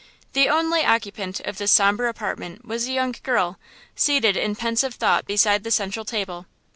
The only occupant of this somber apartment was a young girl, seated in pensive thought beside the central table.